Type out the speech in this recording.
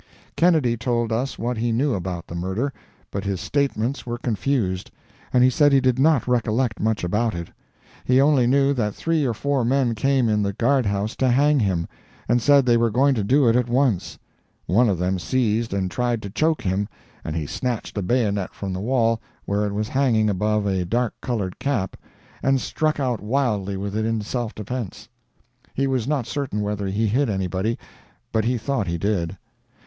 Kennedy told us what he knew about the murder, but his statements were confused, and he said he did not recollect much about it. He only knew that three or four men came in the guard house to hang him, and said they were going to do it at once; one of them seized and tried to choke him, and he snatched a bayonet from the wall, where it was hanging above a dark colored cap, and struck out wildly with it in self defence. He was not certain whether he hit anybody, but he thought he did.